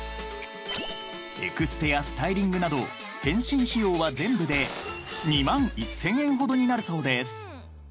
［エクステやスタイリングなど変身費用は全部で２万１，０００円ほどになるそうです］